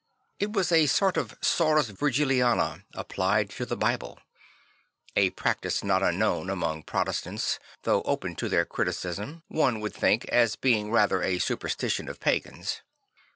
It \vas a sort of sors virgiliana applied to the Bible; a practice not unknown among Protest ants though open to their criticism, one would think, as being rather a superstition of pagans.